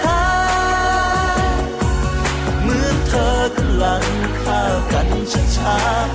เหมือนเธอกำลังเข้ากันช้า